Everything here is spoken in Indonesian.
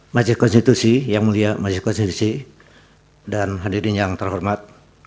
majelis konstitusi yang mulia majelis konstitusi dan hadirin yang terhormat